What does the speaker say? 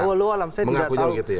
ya walaulah alam saya tidak tahu